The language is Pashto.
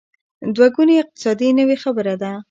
دوه ګونی اقتصاد نوې خبره ده.